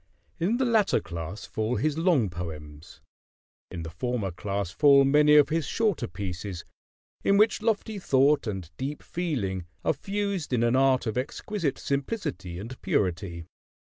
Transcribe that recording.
In the latter class fall his long poems; in the former class fall many of his shorter pieces, in which lofty thought and deep feeling are fused in an art of exquisite simplicity and purity.